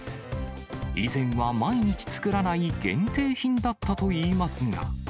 以前は毎日作らない限定品だったといいますが。